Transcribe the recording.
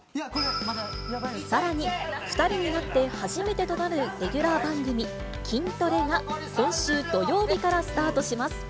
さらに、２人になって初めてとなるレギュラー番組、キントレが今週土曜日からスタートします。